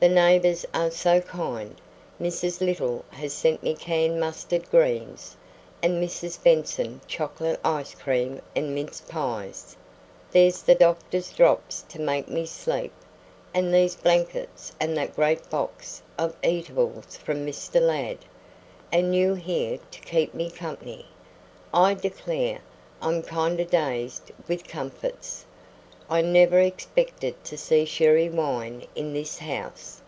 The neighbors are so kind; Mrs. Little has sent me canned mustard greens, and Mrs. Benson chocolate ice cream and mince pie; there's the doctor's drops to make me sleep, and these blankets and that great box of eatables from Mr. Ladd; and you here to keep me comp'ny! I declare I'm kind o' dazed with comforts. I never expected to see sherry wine in this house.